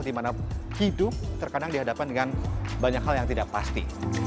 di mana hidup terkadang dihadapan dengan banyak hal yang tidak pasti